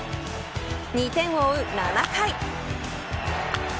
２点を追う７回。